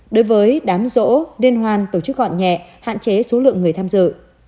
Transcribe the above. đối với đám rỗ liên hoan tổ chức gọn nhẹ hạn chế số lượng người tham dự